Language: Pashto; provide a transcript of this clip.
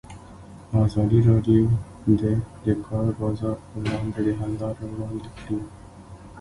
ازادي راډیو د د کار بازار پر وړاندې د حل لارې وړاندې کړي.